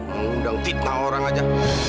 mengundang titna orang aja